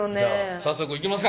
早速行きますか！